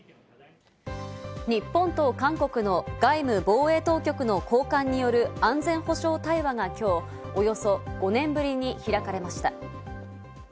日本と韓国の外務・防衛当局の高官による安全保障対話が今日、およそ５年ぶりに開かれました。